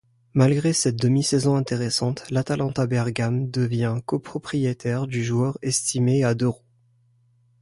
Malgré cette demi-saison intéressante, l'Atalanta Bergame devient copropriétaire du joueur estimé à d'euros.